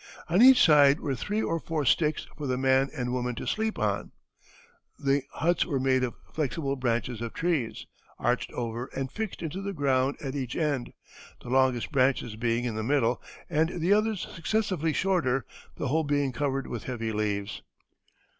On each side were three or four sticks for the man and woman to sleep on. The huts were made of flexible branches of trees, arched over and fixed into the ground at each end, the longest branches being in the middle, and the others successively shorter, the whole being covered with heavy leaves."